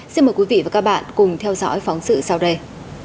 xin mời quý vị và các bạn cùng theo dõi phóng sự sau đây